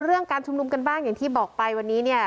การชุมนุมกันบ้างอย่างที่บอกไปวันนี้เนี่ย